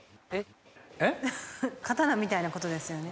刀みたいなことですよね？